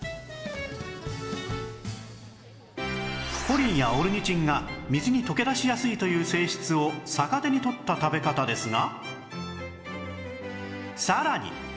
コリンやオルニチンが水に溶け出しやすいという性質を逆手に取った食べ方ですが